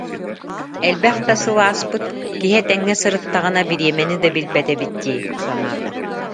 Элбэх да сыл ааспыт, киһи этэҥҥэ сырыттаҕына бириэмэни да билбэт эбит дии санаата